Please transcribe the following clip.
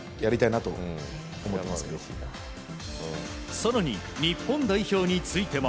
更に日本代表についても。